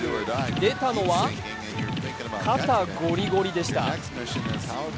出たのは肩ゴリゴリでした。